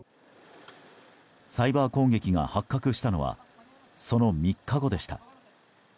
サイバー攻撃が発覚したのはその３日後でした。